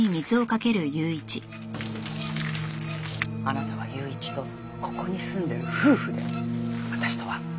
あなたは雄一とここに住んでる夫婦で私とは職場の友達。